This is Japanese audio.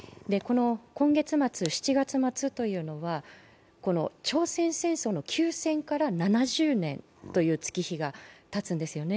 今月末、７月末というのは朝鮮戦争の休戦から７０年という月日がたつんですよね。